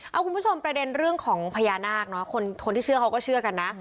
เอาคุณผู้ชมประเด็นเรื่องของพญานาคเนอะคนที่เชื่อเขาก็เชื่อกันนะ